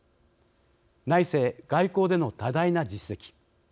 内政・外交での多大な実績。